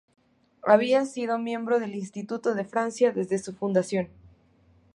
Había sido miembro del Instituto de Francia desde su fundación.